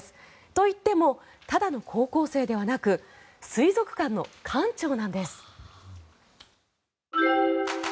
といってもただの高校生ではなく水族館の館長なんです。